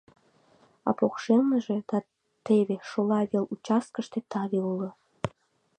А покшелныже да теве шола вел участкыште таве уло.